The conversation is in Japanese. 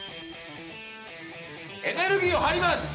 エネルギー入ります。